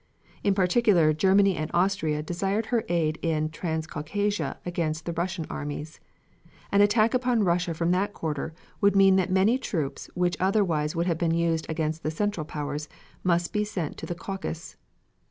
In particular Germany and Austria desired her aid in Transcaucasia against the Russian armies. An attack upon Russia from that quarter would mean that many troops which otherwise would have been used against the Central Powers must be sent to the Caucasus.